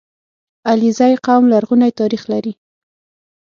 • علیزي قوم لرغونی تاریخ لري.